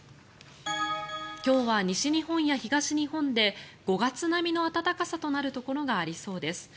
今日は西日本や東日本で５月並みの暖かさとなるところがありそうです。